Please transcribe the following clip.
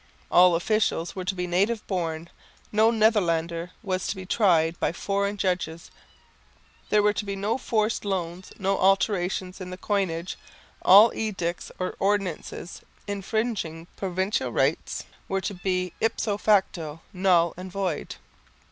All officials were to be native born; no Netherlander was to be tried by foreign judges; there were to be no forced loans, no alterations in the coinage. All edicts or ordinances infringing provincial rights were to be ipso facto null and void.